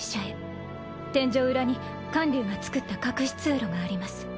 天井裏に観柳が造った隠し通路があります。